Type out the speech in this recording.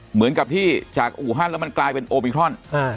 เหมือนกับที่จากอู่ฮั่นแล้วมันกลายเป็นโอมิครอน